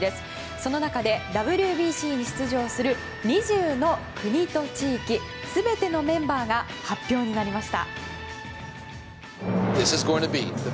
その中でＷＢＣに出場する２０の国と地域全てのメンバーが発表になりました。